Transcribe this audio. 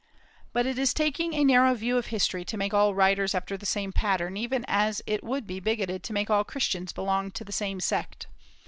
But it is taking a narrow view of history to make all writers after the same pattern, even as it would be bigoted to make all Christians belong to the same sect.